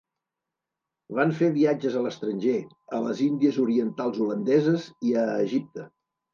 Van fer viatges a l'estranger, a les Índies orientals holandeses i a Egipte.